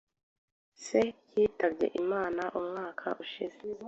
Se yitabye Imana umwaka ushize.